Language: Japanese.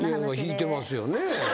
ひいてますよね。